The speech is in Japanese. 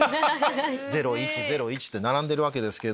０１０１って並んでるわけですけれども。